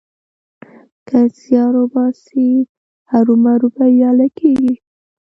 که زيار وباسې؛ هرو مرو بريالی کېږې.